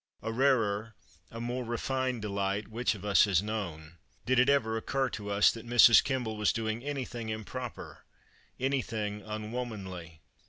A rarer, a more refined delight, which of us has known? Did it ever occur to us that Mrs. Kemble was doing anything improper, anything unwomanly?